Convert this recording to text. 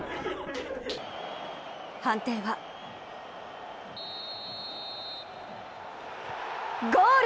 判定はゴール！